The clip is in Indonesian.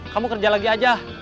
kamu kerja lagi aja